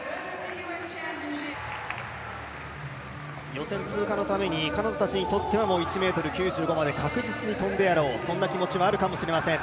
予選通過のために彼女たちにとっては１ｍ９５まで確実に跳んでやろう、そんな気持ちもあるのかもしれません。